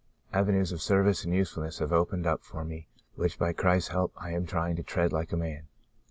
Avenues of serv ice and usefulness have opened up for me which by Christ's help I am trying to tread like a man.